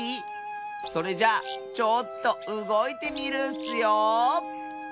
それじゃあちょっとうごいてみるッスよ。